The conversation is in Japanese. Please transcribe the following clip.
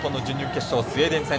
スウェーデン戦。